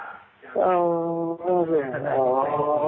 อ๋อโชคดีนั่นล่ะ